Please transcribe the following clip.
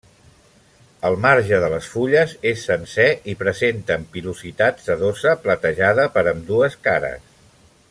El marge de les fulles és sencer i presenten pilositat sedosa platejada per ambdues cares.